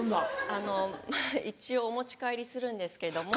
あのまぁ一応お持ち帰りするんですけども。